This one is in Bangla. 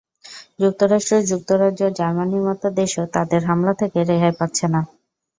যুক্তরাষ্ট্র, যুক্তরাজ্য, জার্মানির মতো দেশও তাদের হামলা থেকে রেহাই পাচ্ছে না।